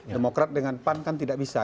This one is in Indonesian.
demokrat dengan pan kan tidak bisa